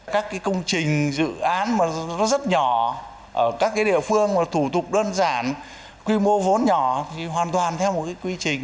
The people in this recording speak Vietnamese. các công trình dự án rất nhỏ ở các địa phương thủ tục đơn giản quy mô vốn nhỏ hoàn toàn theo một quy trình